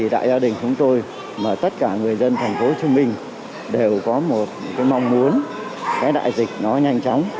đại dịch nhanh chóng